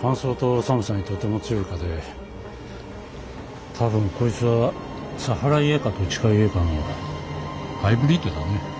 乾燥と寒さにとても強い蚊で多分こいつはサハライエカとチカイエカのハイブリッドだね。